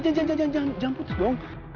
jangan jangan jangan putus dong